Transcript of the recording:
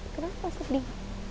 kenapa kenapa sedih